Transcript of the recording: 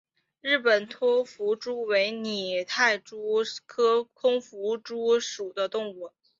日本突腹蛛为拟态蛛科突腹蛛属的动物。